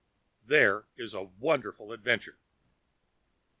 There is a wonderful adventure!!!